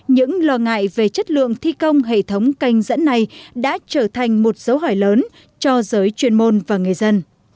những lo ngại về chất lượng thi công hệ thống canh dẫn này đã trở thành một dấu hỏi lớn cho giới chuyên môn và người dân